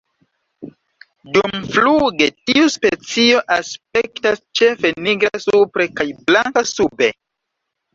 Dumfluge tiu specio aspektas ĉefe nigra supre kaj blanka sube.